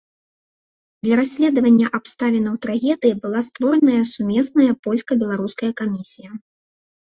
Для расследавання абставінаў трагедыі была створаная сумесная польска-беларуская камісія.